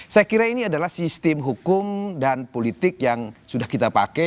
saya kira ini adalah sistem hukum dan politik yang sudah kita pakai